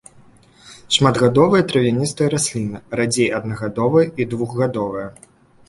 Шматгадовыя травяністыя расліны, радзей аднагадовыя і двухгадовыя.